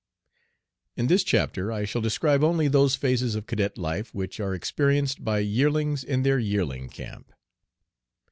IN this chapter I shall describe only those phases of cadet life which are experienced by "yearlings" in their "yearling camp."